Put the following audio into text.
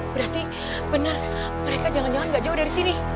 berarti benar mereka jangan jangan gak jauh dari sini